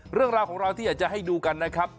เรื่องราวของเราที่อยากจะให้ดูกันนะครับ